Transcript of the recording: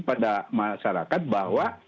pada masyarakat bahwa